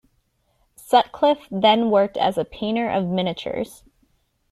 Sutcliff then worked as a painter of miniatures.